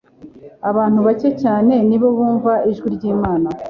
Abantu bake cyane nibo bumva ijwi ry'Imana